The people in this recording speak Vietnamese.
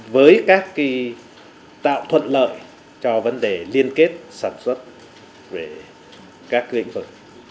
với các tạo thuận lợi cho vấn đề liên kết sản xuất về các lĩnh vực